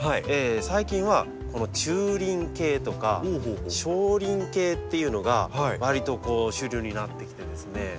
最近はこの中輪系とか小輪系っていうのがわりとこう主流になってきてですね